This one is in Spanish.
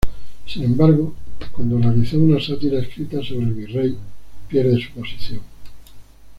Sin embargo, cuándo realizó una sátira escrita sobre el Virrey, pierde su posición.